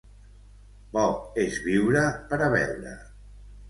Bo és viure per a veure.